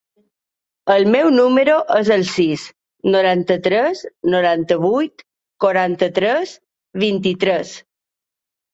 El meu número es el sis, noranta-tres, noranta-vuit, quaranta-tres, vint-i-tres.